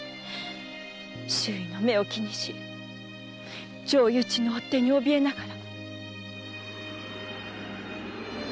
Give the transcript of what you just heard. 周囲の目を気にし上意討ちの追手に怯えながら。